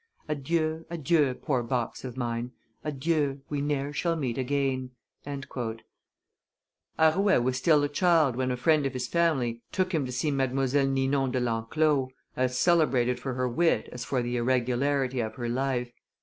Adieu, adieu, poor box of mine; Adieu; we ne'er shall meet again!" Arouet was still a child when a friend of his family took him to see Mdlle. Ninon de l'Enclos, as celebrated for her wit as for the irregularity of her life.